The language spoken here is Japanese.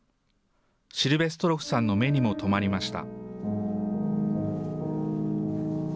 シルヴェストロフさんの目にも留まりました。